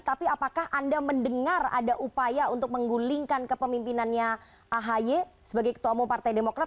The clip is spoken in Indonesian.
tapi apakah anda mendengar ada upaya untuk menggulingkan kepemimpinannya ahi sebagai ketua umum partai demokrat